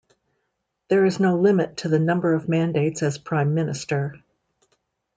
There is no limit to the number of mandates as Prime Minister.